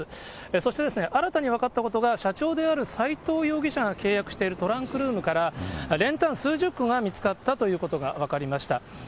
そして、新たに分かったことが、社長である斎藤容疑者が契約しているトランクルームから、練炭数十個が見つかったということが分かりました。